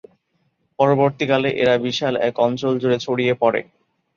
পরবর্তীকালে এরা বিশাল এক অঞ্চল জুড়ে ছড়িয়ে পড়ে।